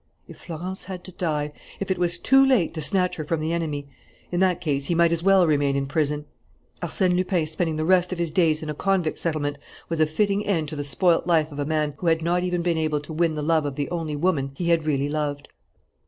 If Florence had to die, if it was too late to snatch her from the enemy, in that case he might as well remain in prison. Arsène Lupin spending the rest of his days in a convict settlement was a fitting end to the spoilt life of a man who had not even been able to win the love of the only woman he had really loved.